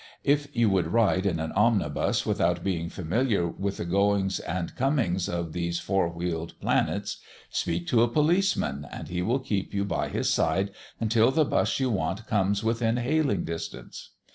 If you would ride in an omnibus without being familiar with the goings and comings of those four wheeled planets, speak to a policeman, and he will keep you by his side until the "bus" you want comes within hailing distance.